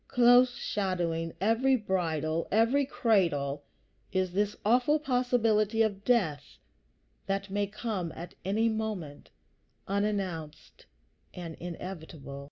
Close shadowing every bridal, every cradle, is this awful possibility of death that may come at any moment, unannounced and inevitable.